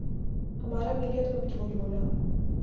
ہمارا میڈیا تو انکی بولی بول رہا ۔